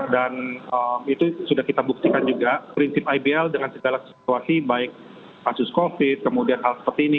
dan itu sudah kita buktikan juga prinsip ibl dengan segala situasi baik kasus covid kemudian hal seperti ini